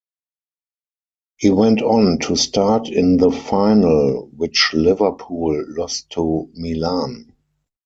He went on to start in the final, which Liverpool lost to Milan.